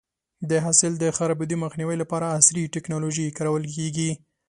د حاصل د خرابېدو مخنیوی لپاره عصري ټکنالوژي کارول شي.